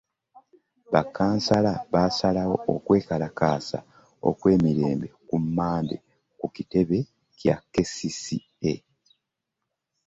Bakansala baasalawo okwekalakaasa okw’emirembe ku Mmande ku kitebe kya KCCA.